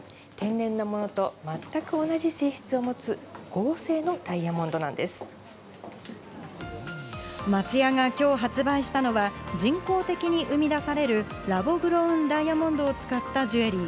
こちらのダイヤモンド、天然のものと全く同じ性質を持つ、合松屋がきょう発売したのは人工的に生み出される、ラボグロウンダイヤモンドを使ったジュエリー。